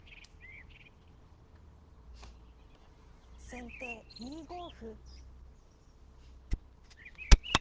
先手２五歩。